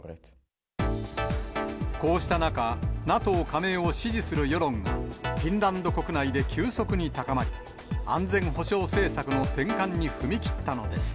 こうした中、ＮＡＴＯ加盟を支持する世論がフィンランド国内で急速に高まり、安全保障政策の転換に踏み切ったのです。